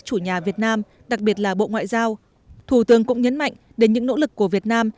chủ nhà việt nam đặc biệt là bộ ngoại giao thủ tướng cũng nhấn mạnh đến những nỗ lực của việt nam